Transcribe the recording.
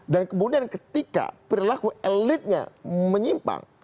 dan kemudian ketika perilaku elitnya menyimpang